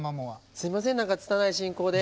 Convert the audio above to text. すいませんつたない進行で。